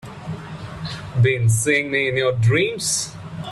Been seeing me in your dreams?